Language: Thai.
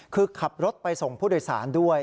คือขับรถไปส่งผู้โดยสารด้วย